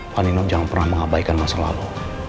pak nino jangan pernah mengabaikan masa lalu